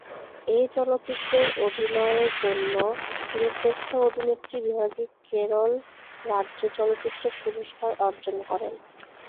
এই চলচ্চিত্রে অভিনয়ের জন্য তিনি শ্রেষ্ঠ অভিনেত্রী বিভাগে কেরল রাজ্য চলচ্চিত্র পুরস্কার অর্জন করেন।